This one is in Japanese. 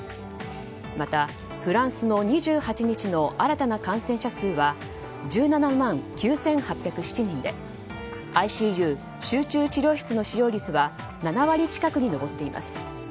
またフランスの２８日の新たな感染者数は１７万９８０７人でＩＣＵ・集中治療室の使用率は７割近くに上っています。